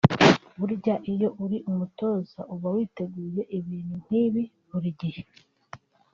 “burya iyo uri umutoza uba witeguye ibintu nk’ibi buri gihe